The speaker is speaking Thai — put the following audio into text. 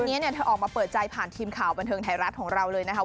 วันนี้เธอออกมาเปิดใจผ่านทีมข่าวบันเทิงไทยรัฐของเราเลยนะคะ